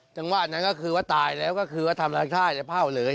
จังหวะนั้นก็คือว่าตายแล้วก็คือว่าทำร้านท่าจะเผ่าเลย